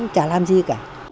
chả làm gì cả